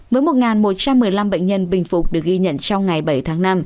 với một một trăm một mươi năm bệnh nhân bình phục được ghi nhận trong ngày bảy tháng năm